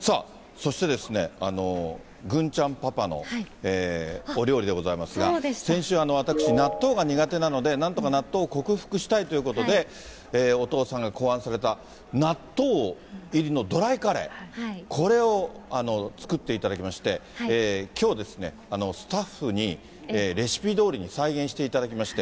さあ、そしてぐんちゃんパパのお料理でございますが、先週、私、納豆が苦手なので、なんとか納豆を克服したいということで、お父さんが考案された、納豆入りのドライカレー、これを作っていただきまして、きょうですね、スタッフにレシピどおりに再現していただきまして。